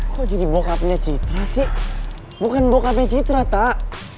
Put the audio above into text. kok jadi bokapnya citra sih bukan bokap citra tak